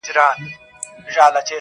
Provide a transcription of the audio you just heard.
چي استاد یې وو منتر ورته ښودلی.!